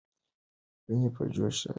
ويني په جوش راځي.